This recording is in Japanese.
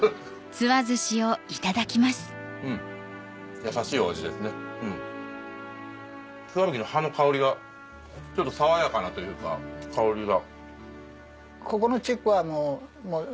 ツワブキの葉の香りがちょっと爽やかなというか香りが。